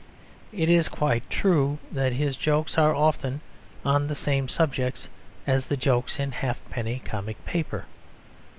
It is quite true that his jokes are often on the same subjects as the jokes in a halfpenny comic paper.